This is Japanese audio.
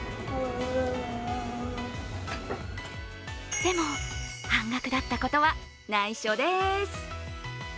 でも、半額だったことは内緒です。